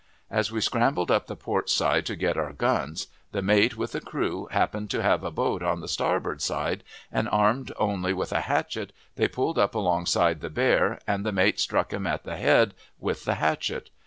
As we scrambled up the port aide to get our guns, the mate, with a crew, happened to have a boat on the starboard aide, and, armed only with a hatchet, they pulled up alongside the bear, and the mate struck him in the head with the hatchet.